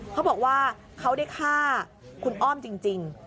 เขาบอกว่าเขาได้ฆ่าคุณอ้อมจริง